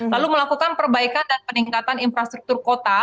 lalu melakukan perbaikan dan peningkatan infrastruktur kota